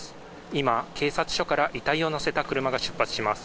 今、警察署から遺体を乗せた車が出発します。